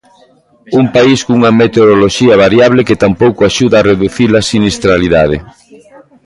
Un país cunha meteoroloxía variable que tampouco axuda a reducir a sinistralidade.